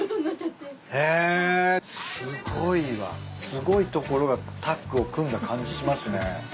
すごいところがタッグを組んだ感じしますね。